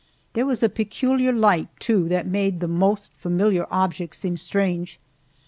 There was a peculiar light, too, that made the most familiar objects seem strange.